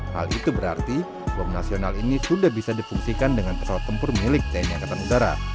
hal itu berarti bom nasional ini sudah bisa difungsikan dengan pesawat tempur milik tni angkatan udara